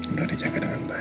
udah dijaga dengan baik